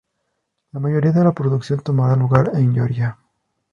La mayoría de la producción tomará lugar en Georgia.